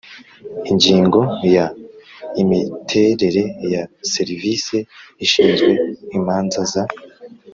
Ingingo ya Imiterere ya Serivisi ishinzwe imanza za